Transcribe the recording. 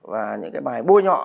và những cái bài bôi nhọ